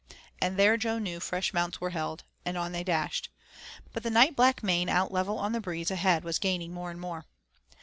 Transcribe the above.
And there Jo knew fresh mounts were held, and on they dashed. But the night black mane out level on the breeze ahead was gaining more and more.